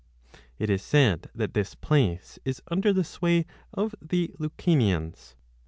2 It is said that this place is under the sway of the Lucanians.